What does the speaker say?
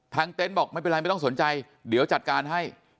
เต็นต์บอกไม่เป็นไรไม่ต้องสนใจเดี๋ยวจัดการให้